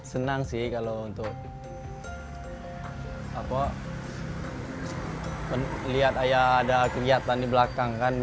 senang sih kalau untuk lihat ayah ada kegiatan di belakang kan